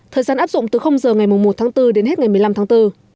thời gian áp dụng từ giờ ngày một tháng bốn đến hết ngày một mươi năm tháng bốn